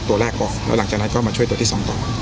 ตัวแรกก่อนแล้วหลังจากนั้นก็มาช่วยตัวที่สองก่อน